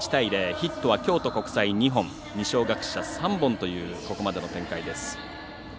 ヒットは京都国際２本二松学舎３本というここまでの展開です。